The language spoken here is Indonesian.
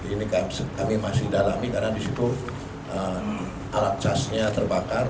ini kami masih dalami karena di situ alat casnya terbakar